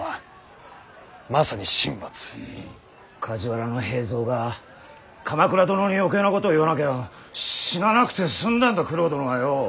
梶原平三が鎌倉殿に余計なことを言わなきゃ死ななくて済んだんだ九郎殿はよう。